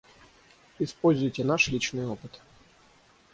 Используйте наш личный опыт.